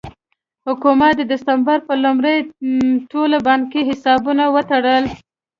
حکومت د ډسمبر په لومړۍ ټول بانکي حسابونه وتړل.